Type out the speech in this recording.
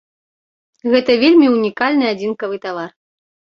Гэта вельмі ўнікальны адзінкавы тавар.